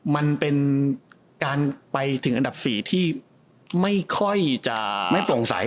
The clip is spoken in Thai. มันเป็นการไปถึงอันดับ๔ที่ไม่ค่อยจะ